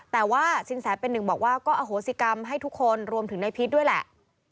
แต่ว่าสินแสเป็นหนึ่งบอกว่าก็อโหสิกรรมให้ทุกคนรวมถึงในพีชด้วยแหละ